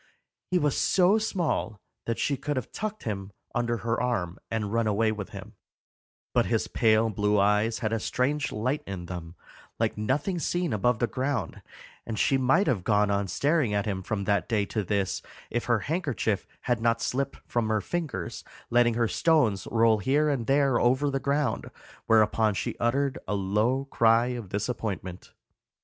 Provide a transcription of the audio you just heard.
He was so small that she could have tucked him under her arm and run away with him, but his pale blue eyes had a strange light in them, like nothing seen above the ground, and she might have gone on staring at him from that day to this if her handkerchief had not slipped from her fingers, letting her stones roll here and there over the ground, whereupon she uttered a low cry of disappointment.